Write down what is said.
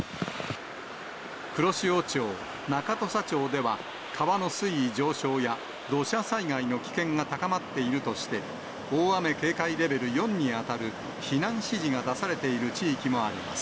黒潮町、中土佐町では、川の水位上昇や土砂災害の危険が高まっているとして、大雨警戒レベル４に当たる避難指示が出されている地域もあります。